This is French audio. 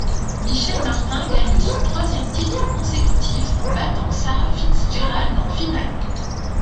Michelle Martin gagne son troisième titre consécutif en battant Sarah Fitz-Gerald en finale.